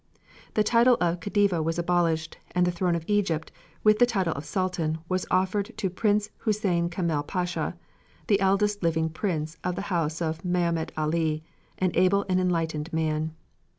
The title of Khedive was abolished, and the throne of Egypt, with the title of Sultan, was offered to Prince Hussein Kamel Pasha, the eldest living prince of the house of Mahomet Ali, an able and enlightened man.